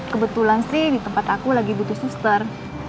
kebetulan sih di tempat aku lagi butuh suster